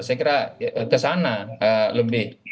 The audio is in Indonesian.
saya kira kesana lebih